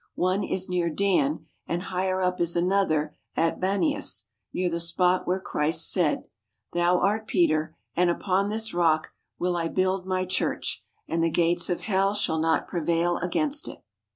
One is near Dan, and higher up is another at Banias, near the spot where Christ said: "Thou art Peter, and upon this rock will I build my Church, and the gates of hell shall not prevail against it."